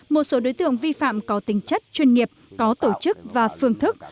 một số đối tượng vi phạm có tính chất chuyên nghiệp có tổ chức và phương thức